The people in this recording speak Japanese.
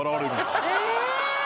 え！